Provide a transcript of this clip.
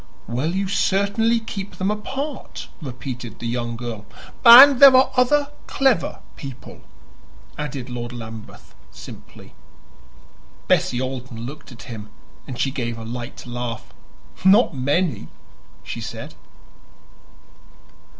"Well, you certainly keep them apart," repeated the young girl. "And there are other clever people," added Lord Lambeth simply. Bessie Alden looked at him, and she gave a light laugh. "Not many," she said.